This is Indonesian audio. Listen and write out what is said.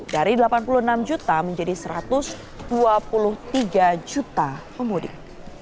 dari delapan puluh enam juta menjadi satu ratus dua puluh tiga juta pemudik